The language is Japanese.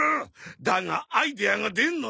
だがアイデアが出んのだ。